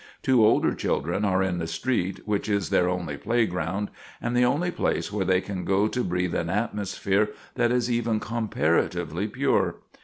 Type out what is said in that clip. Two older children are in the street, which is their only playground, and the only place where they can go to breathe an atmosphere that is even comparatively pure.